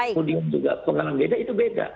kemudian juga pengalaman beda itu beda